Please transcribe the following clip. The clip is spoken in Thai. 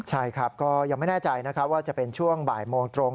ใช่ครับก็ยังไม่แน่ใจนะครับว่าจะเป็นช่วงบ่ายโมงตรง